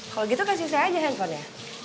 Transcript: kalau gitu kasih saya aja handphonenya